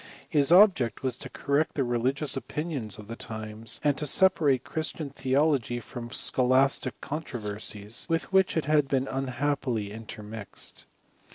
His object was to correct the religious opinions of the times, and to separate Christian theology from scholastic controversies, with which it had been unhap pily intermixed.